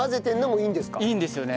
いいんですよね。